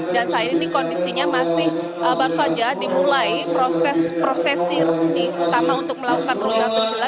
dan saat ini kondisinya masih baru saja dimulai proses prosesi utama untuk melakukan rukyatul hilal